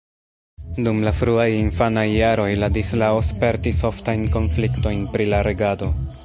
Dum la fruaj infanaj jaroj Ladislao spertis oftajn konfliktojn pri la regado.